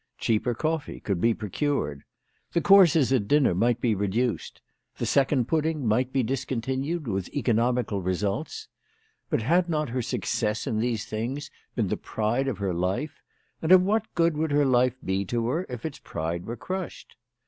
Cheaper coffee could be procured. The courses at dinner might be reduced. The second pudding might be discontinued WHY FRAU FROHMANN RAISED HER PRICES. 27 with, economical results. But had not her success in these things been the pride of her life ; and of what good would her life he to her if its pride were crushed